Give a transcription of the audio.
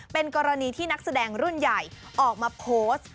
เป็นกรณีที่นักแสดงรุ่นใหญ่ออกมาโพสต์